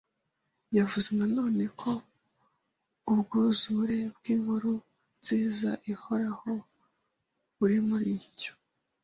Yavuze na none ko ubwuzure bw’Inkuru Nziza ihoraho buri muri cyo